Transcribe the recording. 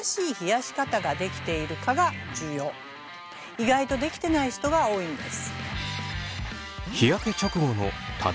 意外とできてない人が多いんです。